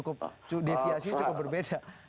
keputusan ini cukup berbeda